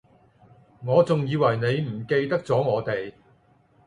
我仲以為你唔記得咗我哋